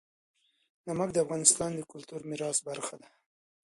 نمک د افغانستان د کلتوري میراث برخه ده.